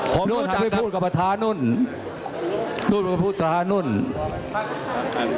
ผมรู้จักครับพูดกับประธานนุ่นพูดกับผู้สาธารณุ่นครับ